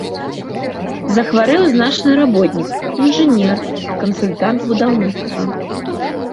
Захварэў значны работнік, інжынер, кансультант будаўніцтва.